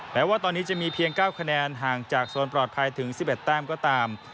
แม้ว่าตอนนี้จะมีเพียง๙คะแนนห่างจากโซนปลอดภัยถึง๑๑แต้มก็ตาม